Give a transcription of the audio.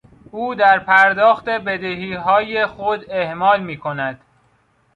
او در پرداخت بدهیهای خود اهمال میکند.